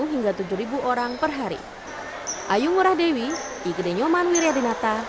hingga tujuh orang per hari